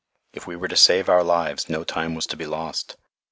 If we were to save our lives, no time was to be lost.